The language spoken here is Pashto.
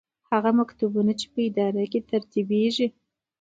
هغه مکتوب چې په اداره کې ترتیبیږي.